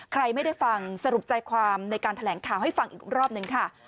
ใครไม่ได้ฟังสรุปใจความในการแถลงข่าวให้ฟังอีกรอบหนึ่งค่ะ